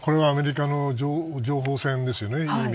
アメリカの情報戦ですよね。